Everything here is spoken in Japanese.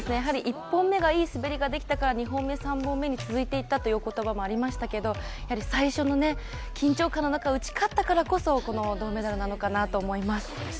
１本目がいい滑りができたから、２本目、３本目につながったという言葉もありましたが、最初の緊張感の中、打ち勝ったからこそこの銅メダルなのかなと思います。